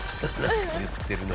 言ってるね。